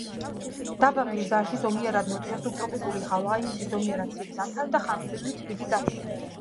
დაბა მირზაანში ზომიერად ნოტიო სუბტროპიკული ჰავაა, იცის ზომიერად ცივი ზამთარი და ხანგრძლივი თბილი ზაფხული.